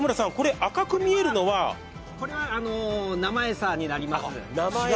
これは生餌になります。